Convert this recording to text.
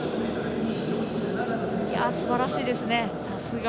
すばらしいですね。